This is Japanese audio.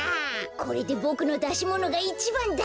これでボクのだしものがいちばんだ！